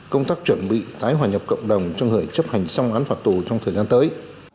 công tác chuẩn bị tái hòa nhập cộng đồng cho người chấp hành xong án phạt tù trong thời gian tới